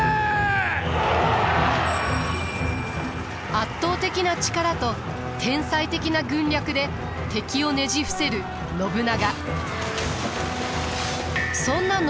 圧倒的な力と天才的な軍略で敵をねじ伏せる信長。